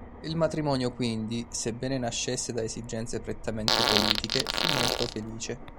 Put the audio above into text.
Il matrimonio quindi, sebbene nascesse da esigenze prettamente politiche, fu molto felice.